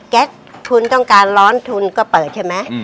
คุณต้องการร้อนทุนก็เปิดใช่ไหม